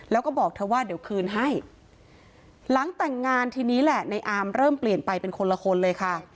แล้วก็บอกเธอว่าเดี๋ยวคืนให้หลังแต่งงานทีนี้แหละในอาร์มเริ่มเปลี่ยนไปเป็นคนละคนเลยค่ะ